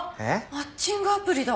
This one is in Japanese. マッチングアプリだ。